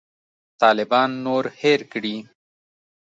طالبان نور هېر کړي.